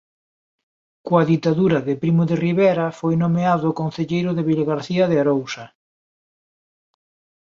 Coa ditadura de Primo de Rivera foi nomeado concelleiro de Vilagarcía de Arousa.